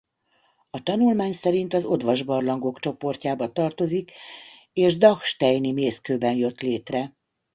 A tanulmány szerint az odvas barlangok csoportjába tartozik és dachsteini mészkőben jött létre.